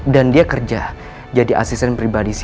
dan dia kerja jadi asisten pribadi si